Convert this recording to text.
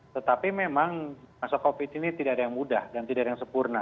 tetapi memang masa covid ini tidak ada yang mudah dan tidak ada yang sempurna